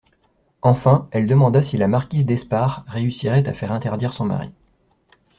Enfin, elle demanda si la marquise d'Espard réussirait à faire interdire son mari.